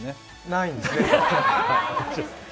ないんですね。